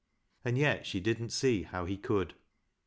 And yet she didn't see how he could.